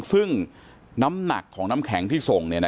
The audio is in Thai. ซึ่งน้ำหนักของน้ำแข็งที่ส่ง